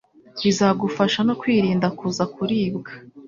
bizagufasha no kwirinda kuza kuribwa.